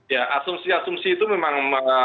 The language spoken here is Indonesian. ya asumsi asumsi itu memang